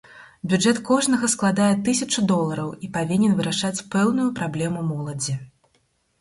Бюджэт кожнага складае тысячу долараў і павінен вырашаць пэўную праблему моладзі.